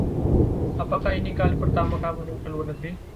Apakah ini kali pertama kamu ke luar negeri?